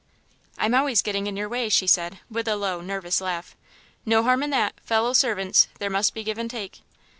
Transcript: "I'm always getting in your way," she said, with a low, nervous laugh. "No harm in that; ...fellow servants; there must be give and take."